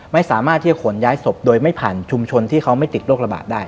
ไม่สามารถที่จะขนย้ายศพโดยไม่ผ่านชุมชนที่เขาไม่ติดโรคระบาดได้